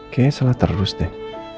kayaknya salah terus deh